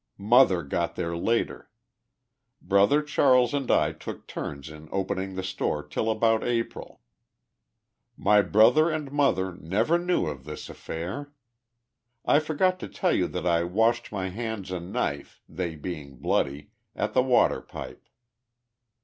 Mother got there later. Brother Charles and I took turns in opening the store till about April. My brother and mother never knew of this affair. I forgot to tell you that I washed my hands and knife, they being bloody, at the water pipe."